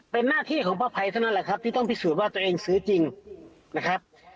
เป็นหน้าที่ของป้าภัยเท่านั้นแหละครับที่ต้องพิสูจน์ว่าตัวเองซื้อจริงนะครับ